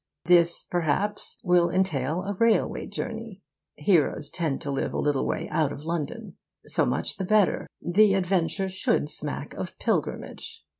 This, perhaps, will entail a railway journey. Heroes tend to live a little way out of London. So much the better. The adventure should smack of pilgrimage.